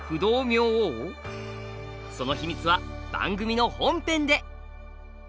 そのヒミツは番組の本編で！